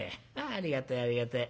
ありがてえありがてえ」。